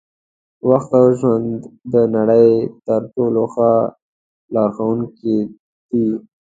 وخت او ژوند د نړۍ تر ټولو ښه لارښوونکي دي.